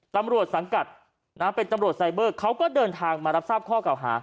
ตำรวจสังกัดเป็นตำรวจไซเบอร์เขาก็เดินทางมารับทราบข้อเก่าหา